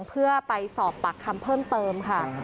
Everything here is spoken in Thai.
เพื่อไปสอบปากคำเพิ่มเติมค่ะ